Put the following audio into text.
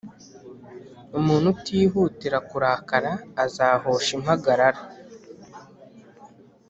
umuntu utihutira kurakara azahosha impagarara